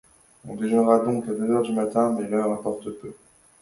On déjeuna donc à deux heures du matin ; mais l’heure importait peu.